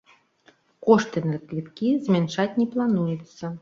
Кошты на квіткі змяншаць не плануецца.